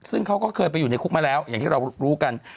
ซึ่งเขาก็เคยไปอยู่ในคุกมาแล้วอย่างที่เรารู้กัน